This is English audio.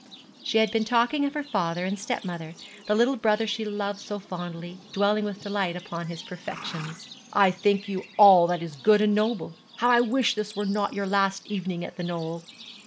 She had been talking of her father and stepmother, the little brother she loved so fondly, dwelling with delight upon his perfections. 'I think you all that is good and noble. How I wish this were not your last evening at the Knoll!'